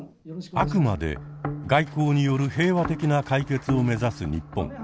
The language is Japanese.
あくまで外交による平和的な解決を目指す日本。